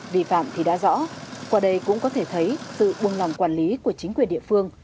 vi phạm thì đã rõ qua đây cũng có thể thấy sự buông lòng quản lý của chính quyền địa phương